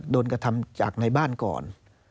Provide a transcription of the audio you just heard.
โดนกระทำจากในบ้านก่อน